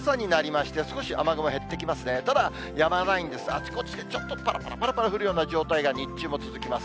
あちこちでちょっと、ぱらぱらぱらぱら降るような状態が日中も続きます。